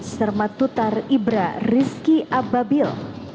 sermatutar ibra rizki ababil